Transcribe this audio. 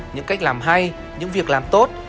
những cách làm hay những việc làm tốt